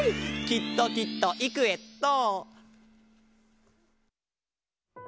きっときっといくエット！